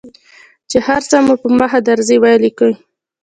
چې هر څه مو په مخه درځي ولیکو.